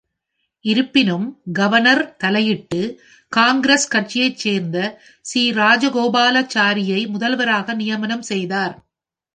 இருப்பினும், கவர்னர் தலையிட்டு காங்கிரஸ் கட்சியைச் சேர்ந்த சி. ராஜகோபாலாச்சாரியை முதல்வராக நியமனம் செய்தார்.